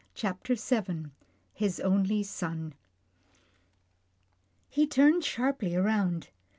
CHAPTER VII HIS ONLY SON He turned sharply round.